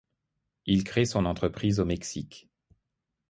Il crée son entreprise au Mexique.